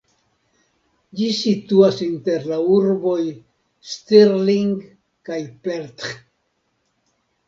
Ĝi situas inter la urboj Stirling kaj Perth.